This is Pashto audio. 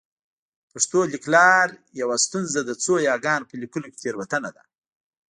پښتو لیکلار یوه ستونزه د څو یاګانو په لیکلو کې تېروتنه ده